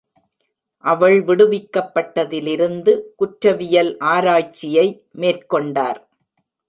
அவள் விடுவிக்கப்பட்டதிலிருந்து, குற்றவியல் ஆராய்ச்சியை மேற்கொண்டார்.